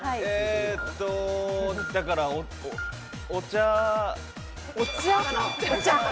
だからお茶。